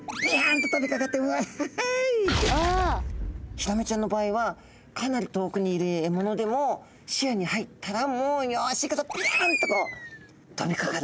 ヒラメちゃんの場合はかなり遠くにいる獲物でも視野に入ったらもうよし行くぞピヤンとこう飛びかかる。